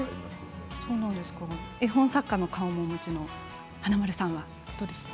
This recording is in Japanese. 絵本作家の顔もお持ちの華丸さん、どうですか？